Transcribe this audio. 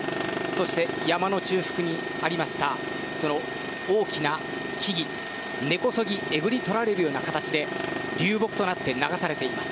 そして、山の中腹にありました大きな木々は根こそぎえぐり取られる形で流木となって流されています。